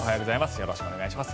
よろしくお願いします。